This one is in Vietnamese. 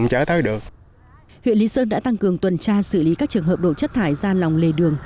huyện lý sơn đã tăng cường tuần tra xử lý các trường hợp đổ chất thải ra lòng lề đường